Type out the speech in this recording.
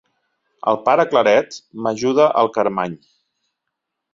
El pare Claret —m'ajuda el Carmany.